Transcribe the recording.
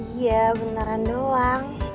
iya bentaran doang